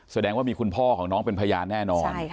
แสดงว่ามีคุณพ่อของน้องเป็นพยานแน่นอน